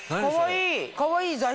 かわいい！